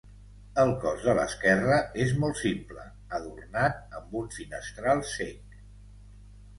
El cos de l'esquerra és molt simple, adornat amb un finestral cec.